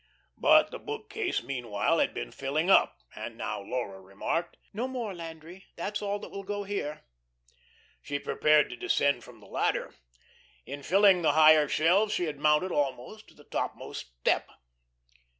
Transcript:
But the book case meanwhile had been filling up, and now Laura remarked: "No more, Landry. That's all that will go here." She prepared to descend from the ladder. In filling the higher shelves she had mounted almost to the topmost step.